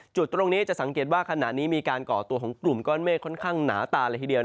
จุดตรงนี้จะสังเกตว่าขณะนี้มีการก่อตัวของกลุ่มก้อนเมฆค่อนข้างหนาตาเลยทีเดียว